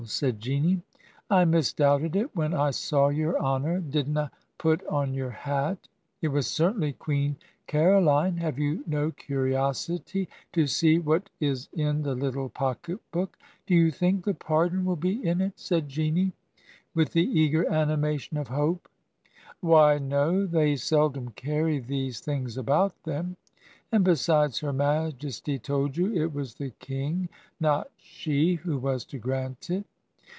said Jeanie. 'I misdoubted it when I saw your honor didna put on your hat.' 'It was certainly Queen Caro line. ... Have you no curiosity to see what is in the little pocket book?' ' Do you think the pardon tmU be in it?' said Jeanie with the eager animation of hope. 'Why, no. ... They seldom carry these things about them ... and besides, her Majesty told you it was the King, not she, who was to grant it.'